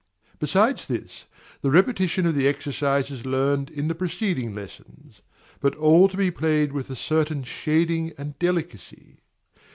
Besides this, the repetition of the exercises learned in the preceding lessons; but all to be played with a certain shading and delicacy.